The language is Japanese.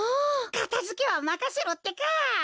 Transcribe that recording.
かたづけはまかせろってか！